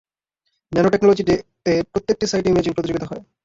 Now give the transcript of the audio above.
Nanotechnology day তে প্রত্যেকটি সাইটে ইমেজিং প্রতিযোগীতা হয়।